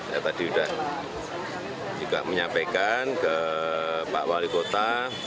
saya tadi sudah juga menyampaikan ke pak wali kota